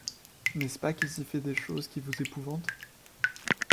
N’est-ce pas qu’il s’y fait des choses qui vous épouvantent?